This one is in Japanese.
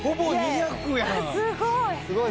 すごい！